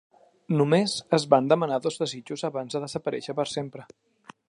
Només es van demanar dos desitjos abans de desaparèixer per sempre.